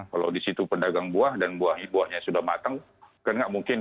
kalau di situ pendagang buah dan buahnya sudah matang kan tidak mungkin